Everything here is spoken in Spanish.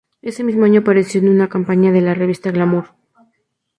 Ese mismo año apareció en una campaña de la revista "Glamour".